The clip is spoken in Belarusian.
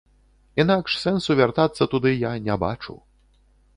Інакш сэнсу вяртацца туды я не бачу.